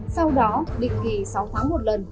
sau đó định kỳ sáu tháng một lần